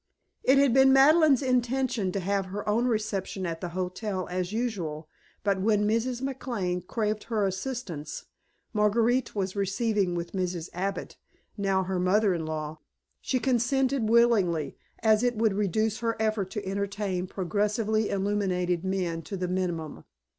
It had been Madeleine's intention to have her own reception at the hotel as usual, but when Mrs. McLane craved her assistance Marguerite was receiving with Mrs. Abbott, now her mother in law she consented willingly, as it would reduce her effort to entertain progressively illuminated men to the minimum.